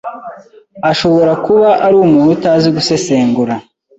ashobora kuba ari umuntu utazi gusesengura